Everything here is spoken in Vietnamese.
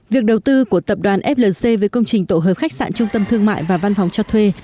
việc đầu tư của tập đoàn flc với công trình tổ hợp khách sạn trung tâm thương mại và văn phòng cho thuê